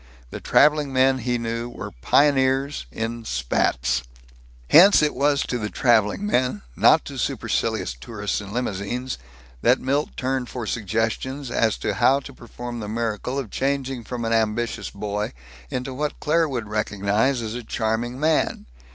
The traveling men, he knew, were pioneers in spats. Hence it was to the traveling men, not to supercilious tourists in limousines, that Milt turned for suggestions as to how to perform the miracle of changing from an ambitious boy into what Claire would recognize as a charming man.